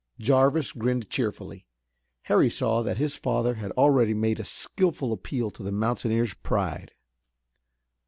Jarvis grinned cheerfully. Harry saw that his father had already made a skillful appeal to the mountaineer's pride.